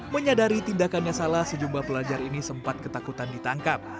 menyadari tindakannya salah sejumlah pelajar ini sempat ketakutan ditangkap